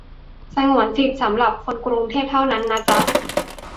สงวนสิทธิ์สำหรับคนกรุงเทพเท่านั้นนะจ๊ะ